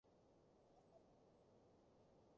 民族自決